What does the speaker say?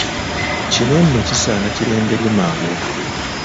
Kino nno kisaana kirengerwe mangu.